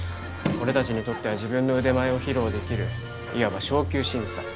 俺たちにとっては自分の腕前を披露できるいわば昇級審査。